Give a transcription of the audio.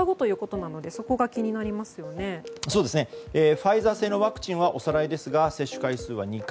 ファイザー製のワクチンはおさらいですが接種回数は２回。